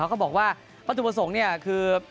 เขาก็บอกว่าปฏิบัติส่งเนี่ยคือ